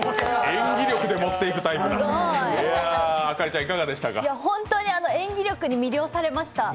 演技力に魅了されました。